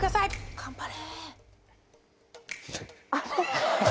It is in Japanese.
頑張れ。